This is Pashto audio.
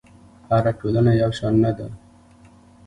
هره ټولنه یو شان نه ده.